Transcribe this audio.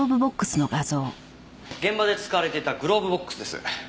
現場で使われていたグローブボックスです。